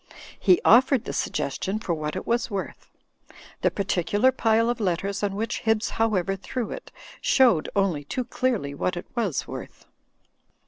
He offered the suggestion for what it was worth. The particular pile of letters on which Hibbs However threw it, showed only too clearly what it was worth.